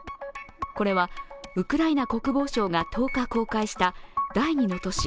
これはウクライナ国防省が１０日公開した第二の都市